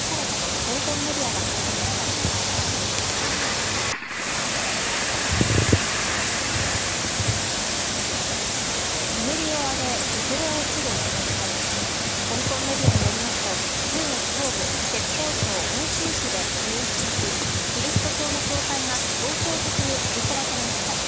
香港メディアによりますと中国東部、浙江省温州市で１１日、キリスト教の教会が強制的に取り壊されました。